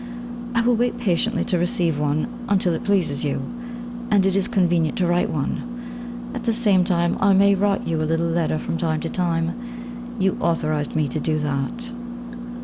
I will wait patiently to receive one, until it pleases you, and it is convenient to write one. At the same time, I may write you a little letter from time to time; you authorised me to do that.